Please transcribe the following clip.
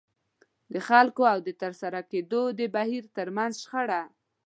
د خلکو او د ترسره کېدو د بهير ترمنځ شخړه.